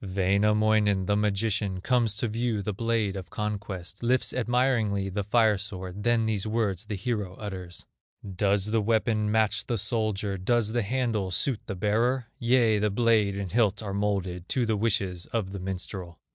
Wainamoinen, the magician, Comes to view the blade of conquest, Lifts admiringly the fire sword, Then these words the hero utters: "Does the weapon match the soldier, Does the handle suit the bearer? Yea, the blade and hilt are molded To the wishes of the minstrel."